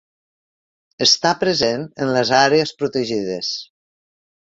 Està present en les àrees protegides.